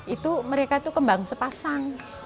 itu mereka itu kembang sepasang